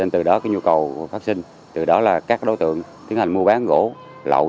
từ đó nhu cầu phát sinh từ đó là các đối tượng tiến hành mua bán gỗ lậu